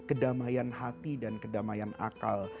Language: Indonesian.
kedamaian hati dan kedamaian akal